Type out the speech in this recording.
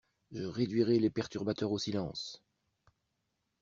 Je réduirai les perturbateurs au silence.